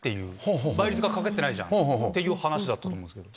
倍率がかかってないじゃんっていう話だったと思うんすけど。